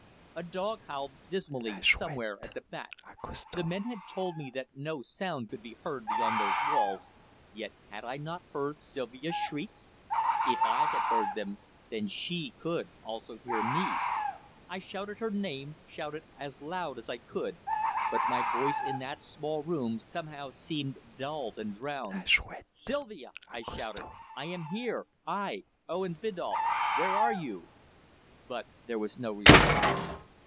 A dog howled dismally somewhere at the back. The men had told me that no sound could be heard beyond those walls, yet had I not heard Sylvia's shrieks? If I had heard them, then she could also hear me! I shouted her name shouted as loud as I could. But my voice in that small room somehow seemed dulled and drowned. "Sylvia," I shouted, "I am here! I Owen Biddulph! Where are you?" But there was no response.